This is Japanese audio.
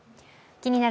「気になる！